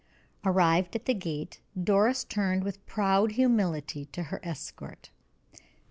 Arrived at the gate, Doris turned with proud humility to her escort.